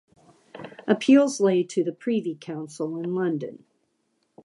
Appeals lay to the Privy Council in London.